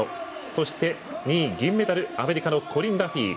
そして２位、銀メダルアメリカのコリン・ダフィー。